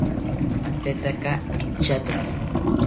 Atetaka intyatoki